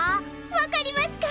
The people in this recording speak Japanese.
分かりますか？